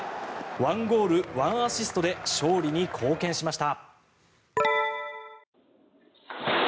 １ゴール１アシストで勝利に貢献しました。